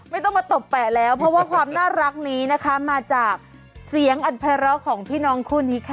ไม่ต้องมาตบแปะแล้วเพราะว่าความน่ารักนี้นะคะมาจากเสียงอันภัยร้อของพี่น้องคู่นี้ค่ะ